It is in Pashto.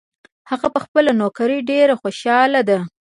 هغه په خپله نوکري ډېر خوشحاله ده